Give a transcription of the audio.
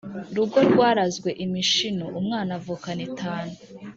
rugo rwarazwe imishino, umwana avukana itanu.